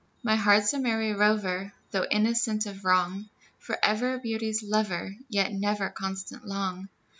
My heart's a merry rover, Though innocent of wrong; Forever beauty's lover, Yet never constant long.